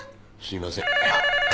すみません。